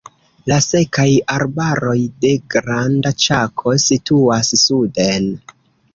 La sekaj arbaroj de Granda Ĉako situas suden.